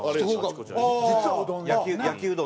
実はうどん。